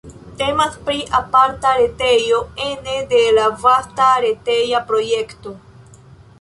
Temas pri aparta retejo ene de la vasta reteja projekto.